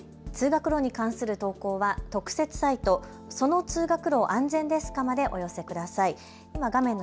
通学路に関する投稿は特設サイト、その通学路、安全ですかまでお寄せください。